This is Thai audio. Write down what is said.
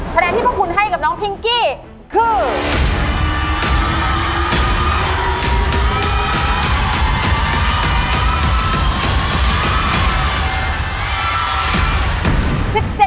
คะแนนที่พวกคุณให้กับน้องพิงกี้คือ